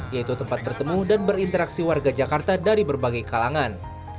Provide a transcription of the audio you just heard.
yaitu tempat bertemu dan berinteraksi warga jakarta dari berbagai kalangan